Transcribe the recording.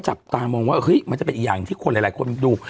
จับตามองว่าเฮ้ยมันจะเป็นอีกอย่างที่คนหลายคนดู